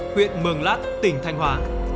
huyện mường lát tỉnh thanh hòa